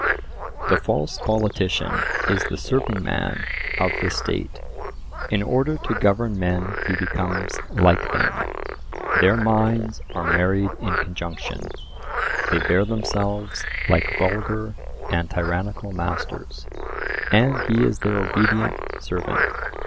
The false politician is the serving man of the state. In order to govern men he becomes like them; their "minds are married in conjunction;" they "bear themselves" like vulgar and tyrannical masters, and he is their obedient servant.